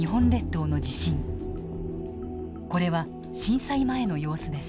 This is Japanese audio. これは震災前の様子です。